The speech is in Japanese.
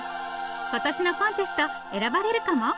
今年のコンテスト選ばれるかも？